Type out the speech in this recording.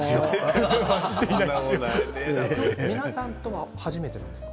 華大さんとは初めてなんですか？